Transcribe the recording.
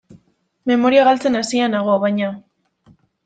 Memoria galtzen hasita nago, baina.